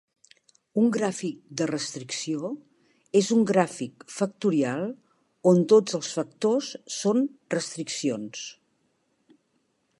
Un gràfic de restricció és un gràfic factorial on tots els factors són restriccions.